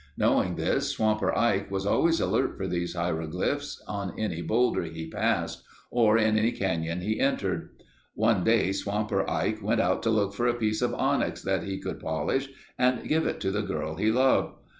Knowing this, Swamper Ike was always alert for these hieroglyphs on any boulder he passed or in any canyon he entered. One day Swamper Ike went out to look for a piece of onyx that he could polish and give to the girl he loved.